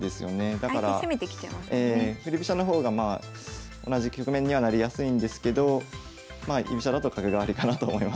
だから振り飛車の方がまあ同じ局面にはなりやすいんですけどまあ居飛車だと角換わりかなと思いました。